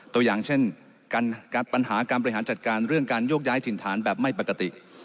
ตัวอย่างเช่นปัญหาการบริหารจัดการเรื่องการโยกย้ายถิ่นฐานแบบไม่ปกติ